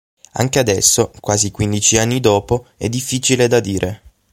Anche adesso, quasi quindici anni dopo, è difficile da dire.